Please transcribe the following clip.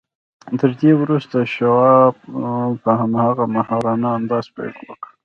تر دې وروسته شواب په هماغه ماهرانه انداز پیل وکړ